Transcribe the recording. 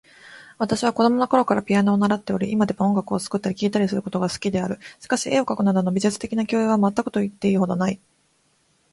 私は子供のころからピアノを習っており、今でも音楽を作ったり聴いたりすることが好きである。しかし、絵を描くなどの美術的な教養は全くと言ってよいほどない。